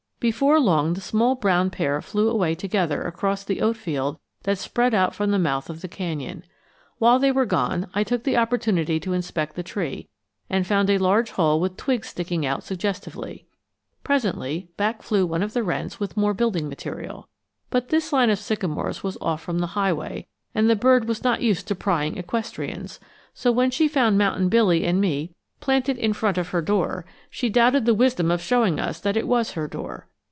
Before long the small brown pair flew away together across the oat field that spread out from the mouth of the canyon. While they were gone, I took the opportunity to inspect the tree, and found a large hole with twigs sticking out suggestively. Presently, back flew one of the wrens with more building material. But this line of sycamores was off from the highway, and the bird was not used to prying equestrians; so when she found Mountain Billy and me planted in front of her door, she doubted the wisdom of showing us that it was her door.